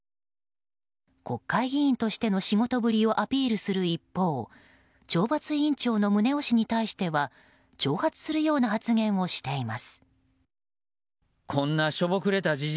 国会議員としての仕事ぶりをアピールする一方懲罰委員長の宗男氏に対しては挑発するような発言をしています。